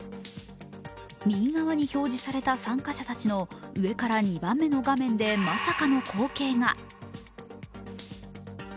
右側に表示された参加者の上から２番目の画面でまさかの光景が。